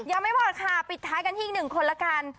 ยังไม่บทค่ะปิดท้ายกันที่๑คนละกัน